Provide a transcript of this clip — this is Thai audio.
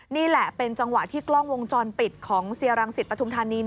นี่แหละเป็นจังหวะที่กล้องวงจรปิดของเสียรังสิตปฐุมธานี